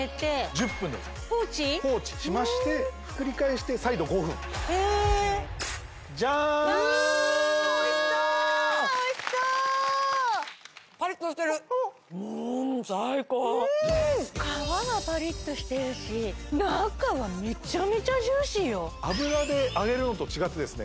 １０分でございます放置しましてひっくり返して再度５分へえジャーンおいしそうおいしそうパリッとしてる皮がパリッとしてるし中はめちゃめちゃジューシーよ油で揚げるのと違ってですね